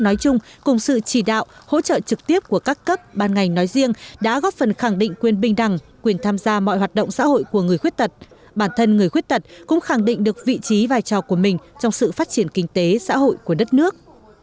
nói chung cùng sự chỉ đạo hỗ trợ trực tiếp của các cấp ban ngành nói riêng đã góp phần khẳng định quyền bình đẳng quyền tham gia mọi hoạt động xã hội của người khuyết tật bản thân người khuyết tật cũng khẳng định được vị trí vai trò của mình trong sự phát triển kinh tế xã hội của đất nước